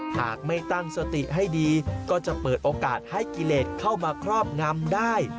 หากไม่ตั้งสติให้ดีก็จะเปิดโอกาสให้กิเลสเข้ามาครอบงำได้